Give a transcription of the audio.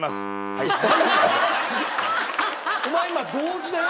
お前今同時だよ？